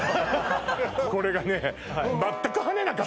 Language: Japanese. これがね